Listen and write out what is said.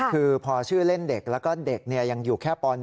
คือพอชื่อเล่นเด็กแล้วก็เด็กยังอยู่แค่ป๑